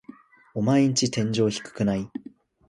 オマエんち天井低くない？